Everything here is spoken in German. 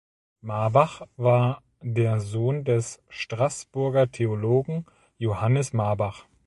Marbach war der Sohn des Straßburger Theologen Johannes Marbach.